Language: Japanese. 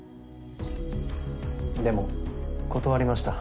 でも断りました。